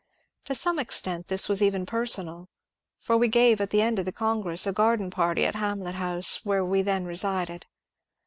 To some extent this was even personal ; for we gave at the end of the congress a gar den party at Hamlet House where we then resided.